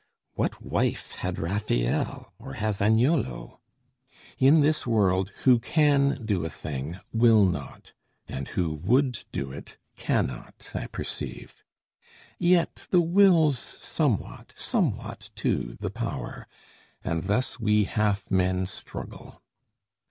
What wife had Rafael, or has Agnolo? In this world, who can do a thing, will not; And who would do it, cannot, I perceive: Yet the will's somewhat somewhat, too, the power And thus we half men struggle.